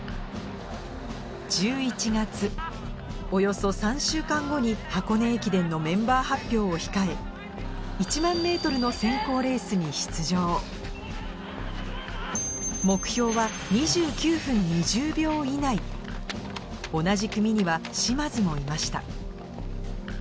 １１月およそ３週間後に箱根駅伝のメンバー発表を控え１００００ｍの選考レースに出場以内同じ組には嶋津もいました